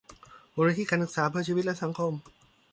มูลนิธิการศึกษาเพื่อชีวิตและสังคม